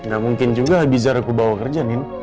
gak mungkin juga abizar aku bawa kerja nino